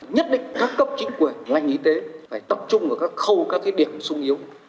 nhất định các cấp chính quyền ngành y tế phải tập trung ở các khâu các điểm sung yếu